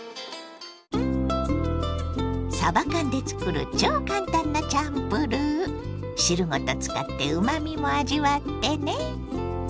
さば缶で作る超簡単なチャンプルー。汁ごと使ってうまみも味わってね。